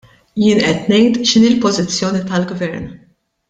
Jien qed ngħid x'inhi l-pożizzjoni tal-gvern.